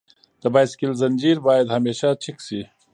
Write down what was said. د بایسکل زنجیر باید همیشه چک شي.